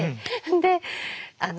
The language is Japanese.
であの